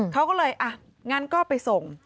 เขาก็เลยอ่ะงั้นก็ไปส่ง